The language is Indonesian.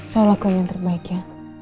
soal lagu yang terbaik ya